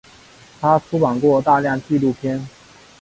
他出版过大量纪录片。